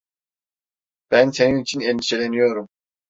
Ben senin için endişeleniyorum.